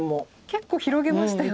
結構広げましたよね。